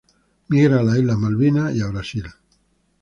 Migra a las islas Malvinas y Brasil.